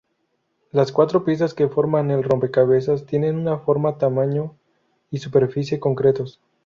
Las cuatro piezas que forman el rompecabezas tienen una forma, tamaño y superficie concretos.